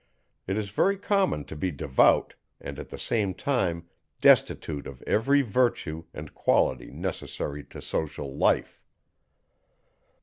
It is very common to be devout, and at the same time destitute of every virtue and quality necessary to social life.